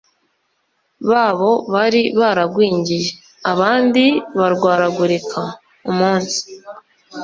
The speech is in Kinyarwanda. babo bari baragwingiye, abandi barwaragurika. Umunsi